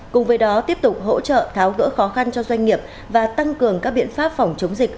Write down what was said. cùng với đó tiếp tục hỗ trợ tháo gỡ khó khăn cho doanh nghiệp và tăng cường các biện pháp phòng chống dịch